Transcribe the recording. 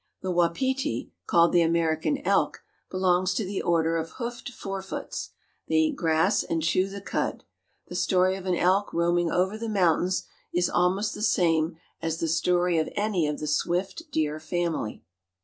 The wapiti, called the American elk, belongs to the Order of Hoofed Four Foots. They eat grass and chew the cud. The story of an elk roaming over the mountains is almost the same as the story of any of the swift deer family.